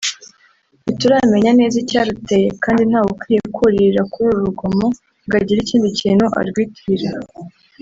ntituramenya neza icyaruteye kandi ntawe ukwiye kuririra kuri uru rugomo ngo agire ikindi kintu arwitirira